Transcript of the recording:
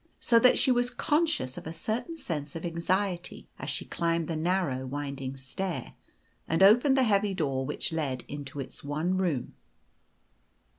So that she was conscious of a certain sense of anxiety as she climbed the narrow winding stair, and opened the heavy door which led into its one room.